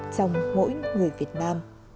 trong mỗi người việt nam